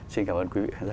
xin cảm ơn quý vị